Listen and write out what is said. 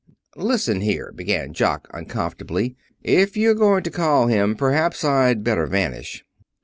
"Listen here," began Jock uncomfortably; "if you're going to call him perhaps I'd better vanish."